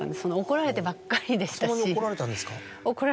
怒られてばっかりでした。